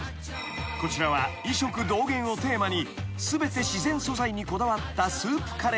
［こちらは医食同源をテーマに全て自然素材にこだわったスープカレーのお店］